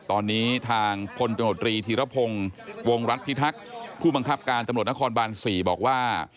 ตอนนี้ทางพลตำรวจรีธีรพงศ์วงรัฐพิทักษ์ผู้บังคับการตำรวจนครบาน๔บอกว่า